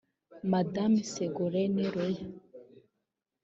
Madame Ségolène Royal